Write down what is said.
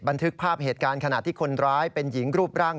บันทึกภาพเหตุการณ์ขณะที่คนร้ายเป็นหญิงรูปร่าง